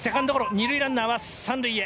２塁ランナーは３塁へ。